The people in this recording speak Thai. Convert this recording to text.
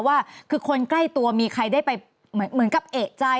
ว่าคือคนใกล้ตัวมีใครได้ไปเหมือนกับเอกใจ